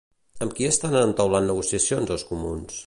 Amb qui estan entaulant negociacions els comuns?